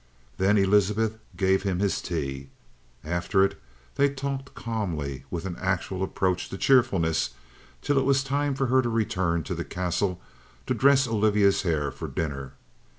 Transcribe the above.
Then Elizabeth gave him his tea. After it they talked calmly with an actual approach to cheerfulness till it was time for her to return to the Castle to dress Olivia's hair for dinner.